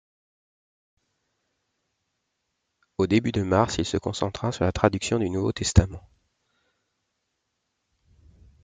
Au début de mars, il se concentra sur la traduction du Nouveau Testament.